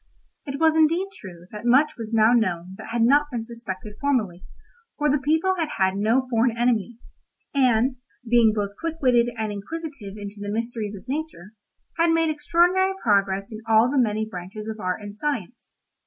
It was indeed true that much was now known that had not been suspected formerly, for the people had had no foreign enemies, and, being both quick witted and inquisitive into the mysteries of nature, had made extraordinary progress in all the many branches of art and science.